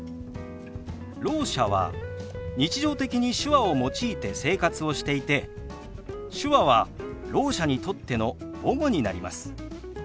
ろう者は日常的に手話を用いて生活をしていて手話はろう者にとっての母語になります。